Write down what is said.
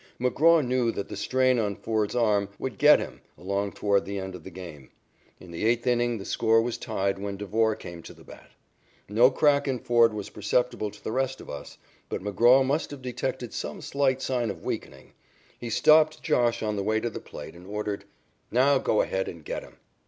McGraw knew that the strain on Ford's arm would get him along toward the end of the game. In the eighth inning the score was tied when Devore came to the bat. No crack in Ford was perceptible to the rest of us, but McGraw must have detected some slight sign of weakening. He stopped "Josh" on the way to the plate and ordered: "Now go ahead and get him."